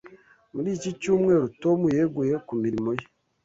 Muri iki cyumweru, Tom yeguye ku mirimo ye.